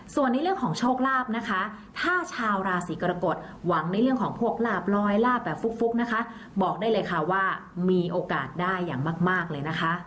ส่วนในเรื่องของโชคลาภนะคะถ้าชาวราศีกรกฎหวังในเรื่องของพวกลาบลอยลาบแบบฟุกนะคะบอกได้เลยค่ะว่ามีโอกาสได้อย่างมากเลยนะคะ